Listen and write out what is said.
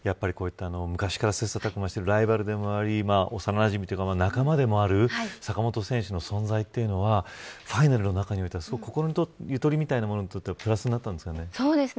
昔から切磋琢磨しているライバルでもあり幼なじみというか仲間でもある坂本選手の存在はファイナルの中においては心のゆとりみたいなものに関してはプラスになったんですかね。